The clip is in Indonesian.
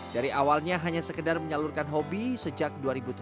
dari awalnya hanya sekedar menyalurkan hobi sejak dua ribu tujuh belas